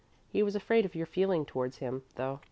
"He was afraid of your feeling towards him, though.